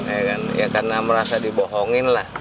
ya kan ya karena merasa dibohongin lah